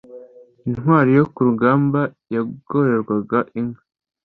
Intwari yo ku rugamba yagororerwaga inka